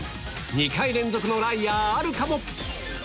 ２回連続のライアーあるかも！